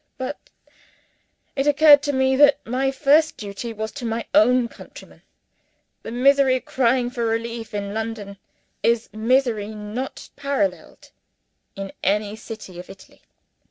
But it occurred to me that my first duty was to my own countrymen. The misery crying for relief in London, is misery not paralleled in any city of Italy.